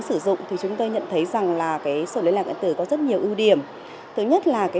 sử dụng thì chúng tôi nhận thấy rằng là cái sổ liên lạc điện tử có rất nhiều ưu điểm thứ nhất là cái